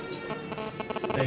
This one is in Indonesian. jadi itu tes untuk vaksin